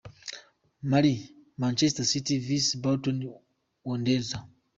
Mar, Manchester City vs Bolton Wanderers.